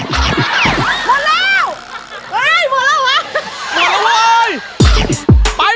นั้น